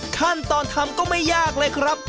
ขั้นตอนทำก็ไม่ยากเลยครับ